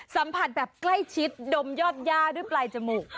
สัมผัสแบบใกล้ชิดดมยอดย่าด้วยปลายจมูก